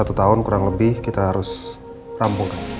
satu tahun kurang lebih kita harus rampungkan